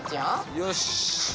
よし！